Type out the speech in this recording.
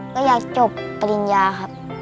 ก็อยากจบปริญญาครับ